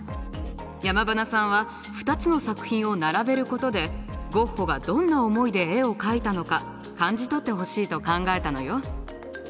山塙さんは２つの作品を並べることでゴッホがどんな思いで絵を描いたのか感じ取ってほしいと考えたのよ。